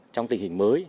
trong tình hình mới